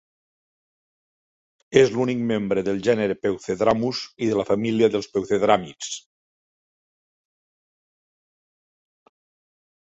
És l'únic membre del gènere "Peucedramus" i de la família dels peucedràmids.